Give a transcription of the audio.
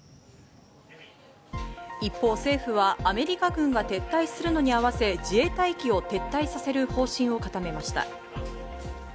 一方、政府はアメリカ軍が撤退するのに合わせ自衛隊機を撤退させる方針を固めました。